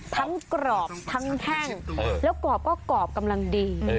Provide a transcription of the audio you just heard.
กรอบทั้งแห้งแล้วกรอบก็กรอบกำลังดี